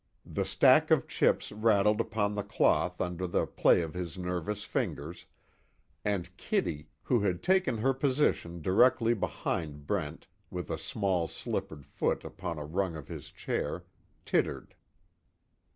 The stack of chips rattled upon the cloth under the play of his nervous fingers, and Kitty, who had taken her position directly behind Brent with a small slippered foot upon a rung of his chair, tittered.